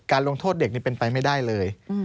ลงโทษเด็กเป็นไปไม่ได้เลย